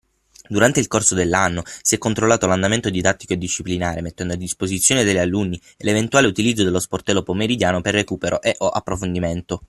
Durante il corso dell’anno, si è controllato l’andamento didattico e disciplinare, mettendo a disposizione degli alunni l’eventuale utilizzo dello sportello pomeridiano per recupero e/o approfondimento.